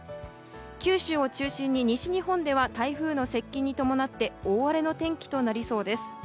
九州を中心に西日本では台風の接近に伴って大荒れの天気となりそうです。